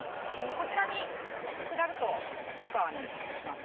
こちらに下ると井川に行きます。